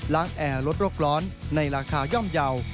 แอร์ลดโรคร้อนในราคาย่อมเยาว์